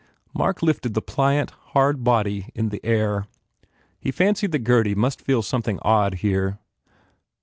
Mark lifted the pliant, hard body in the air. He fancied that Gurdy must feel something odd, here.